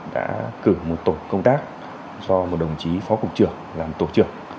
đã cử một tổ công tác do một đồng chí phó cục trưởng làm tổ trưởng